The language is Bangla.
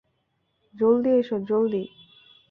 জলদি এসো, জলদি।